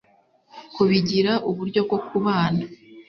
Kubigira uburyo bwo kubana